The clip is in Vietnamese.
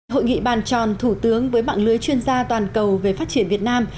hội nghị bàn tròn thủ tướng với mạng lưới chuyên gia toàn cầu về phát triển việt nam